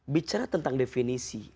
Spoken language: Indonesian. bicara tentang definisi